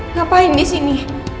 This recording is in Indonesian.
ngapain di sini